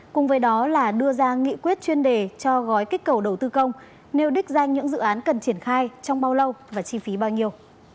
cùng với đó là đưa ra nghị quyết chuyên đề cho gói kích cầu đầu tư công nêu đích danh những dự án cần triển khai trong bao lâu và chi phí bao nhiêu